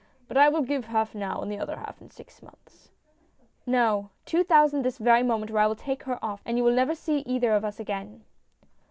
" But I will give half now, and the other half in six months." " No, two thousand this very moment, or I will take her oflP, and you will never see either of us again."